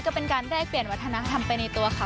ก็เป็นการแลกเปลี่ยนวัฒนธรรมไปในตัวเขา